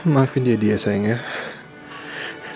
maafin didi ya sayangnya